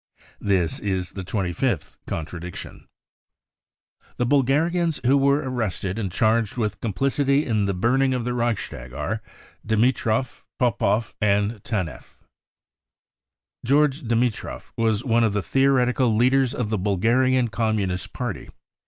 This is the twenty fifth contradiction. The Bulgarians who were arrested and charged with complicity in the burning of the Reichstag are : Dimitrov, Popoff and Taneff. THE REAL INCENDIARIES 109 ■[ Georg Dimitrov wrfk one of the theoretical leaders of the Bulgarian Communist Party.